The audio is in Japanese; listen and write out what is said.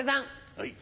はい。